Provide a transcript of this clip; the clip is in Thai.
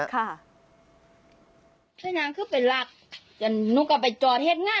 ค่ะ